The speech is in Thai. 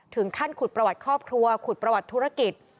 ถึงขั้นขุดประวัติครอบครัวขุดประวัติธุรกิจ